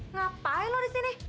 ngapain lo disini